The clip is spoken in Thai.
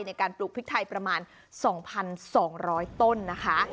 ในการปลูกพริกไทยประมาณ๒๒๐๐ต้นนะคะ